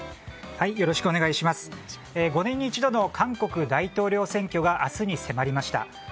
５年に一度の韓国大統領選挙が明日に迫りました。